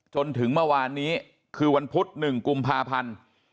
จนถึงเมื่อวานนี้คือวันพุธ๑กุมภาพันธ์